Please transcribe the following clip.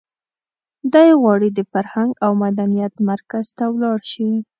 دی غواړي د فرهنګ او مدنیت مرکز ته ولاړ شي.